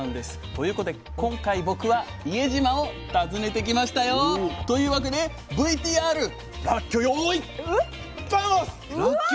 ということで今回僕は伊江島を訪ねてきましたよ。というわけでＶＴＲらっきょよいＶａｍｏｓ！